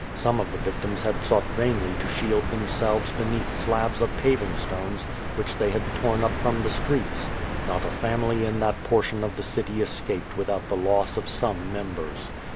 Some of the victims had sought vainly to shield themselves beneath slabs of paving stones which they had torn up from the streets. Not a family in that portion of tlie city escaped without the loss of some mem bers.